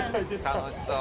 「楽しそう。